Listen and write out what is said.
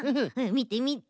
みてみて。